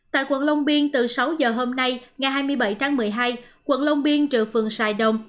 tại quận long biên từ sáu giờ hôm nay ngày hai mươi bảy tháng một mươi hai quận long biên trừ phường sài đồng